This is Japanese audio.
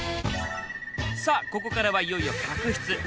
さあここからはいよいよ客室。